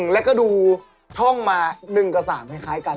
แล้วก็ดูท่องมา๑กับ๓คล้ายกัน